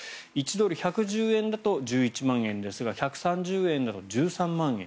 １ドル＝１１０円だと１１万円ですが１３０円だと１３万円。